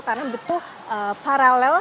karena betul paralel